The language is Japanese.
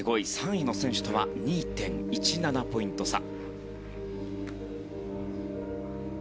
３位の選手とは２．１７ポイント差。